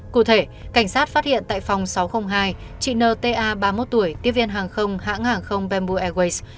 cụ thể cảnh sát phát hiện tại phòng sáu trăm linh hai chị nta ba mươi một tuổi tiếp viên hàng không hãng hàng không bamboo airways